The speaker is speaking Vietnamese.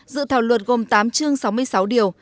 dự thảo luật gồm tám chương sáu mươi sáu điều